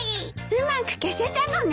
うまく消せたのね。